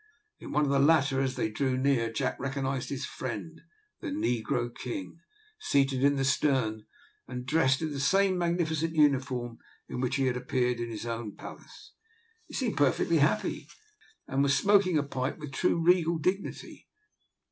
In one of the latter, as they drew near, Jack recognised his friend, the negro king, seated in the stern and dressed in the same magnificent uniform in which he had appeared in his own palace. He seemed perfectly happy, and was smoking a pipe with true regal dignity.